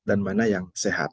dan mana yang sehat